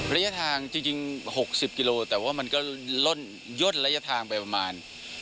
ระยะทางจริง๖๐กิโลแต่ว่ามันก็ล่นย่นระยะทางไปประมาณ